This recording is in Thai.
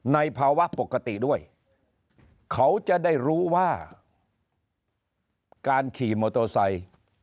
ในภาวะปกติด้วยเขาจะได้รู้ว่าการขี่มอเตอร์ไซค์